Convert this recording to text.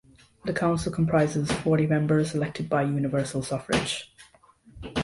The Council comprises forty members elected by universal suffrage.